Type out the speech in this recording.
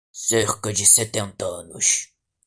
Cerca de setenta anos